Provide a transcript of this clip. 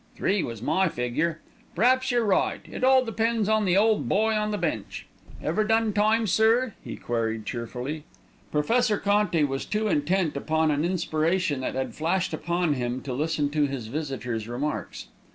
Three was my figure. P'raps you're right; it all depends on the ole boy on the bench. Ever done time, sir?" he queried cheerfully. Professor Conti was too intent upon an inspiration that had flashed upon him to listen to his visitor's remarks.